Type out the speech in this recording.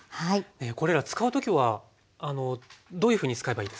これら使う時はどういうふうに使えばいいですか？